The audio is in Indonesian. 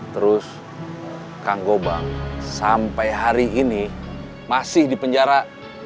terus kang gobang sampai hari ini masih dipenjara